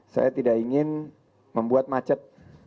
saya tidak ingin membuat macet